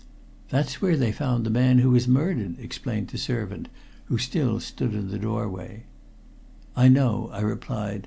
"That's where they found the man who was murdered," explained the servant, who still stood in the doorway. "I know," I replied.